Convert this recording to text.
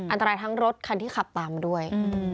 อันตรายทั้งรถคันที่ขับตามมาด้วย